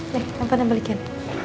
nih lompat dan balikin